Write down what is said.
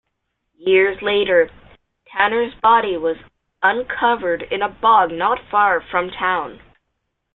Years later, Tanner's body was uncovered in a bog not far from town.